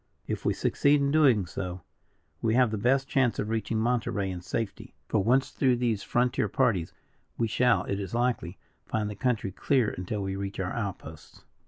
If we succeed in doing so, we have the best chance of reaching Monterey in safety. For, once through these frontier parties, we shall, it is likely, find the country clear until we reach our outposts."